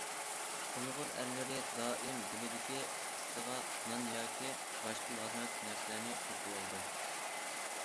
ئۇيغۇر ئەرلىرى دائىم بېلىدىكى پوتىسىغا نان ياكى باشقا لازىمەتلىك نەرسىلەرنى تۈگۈۋالىدۇ.